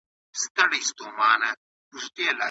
شقاق د کومي کلمې څخه اخيستل سوی دی؟